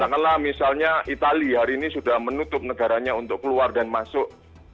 katakanlah misalnya itali hari ini sudah menutup negaranya untuk keluar dan masuk